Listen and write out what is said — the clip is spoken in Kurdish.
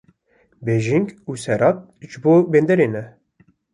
bêjing û serad ji bo bêderê ne